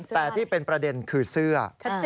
แต่ที่เป็นประเด็นคือเสื้อ